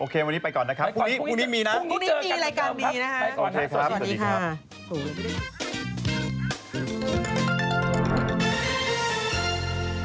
เค้าเจ้าของมายูเนี่ยไม่ใช่อ้าว้าบบัชราภา